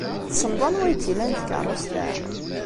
Tessneḍ anwa ay tt-ilan tkeṛṛust-a?